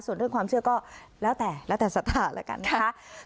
ส่วนเรื่องความเชื่อก็แล้วแต่สถานะ